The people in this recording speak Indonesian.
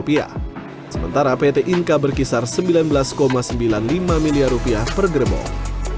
sementara pt inka berkisar rp sembilan belas sembilan puluh lima miliar rupiah per gerbong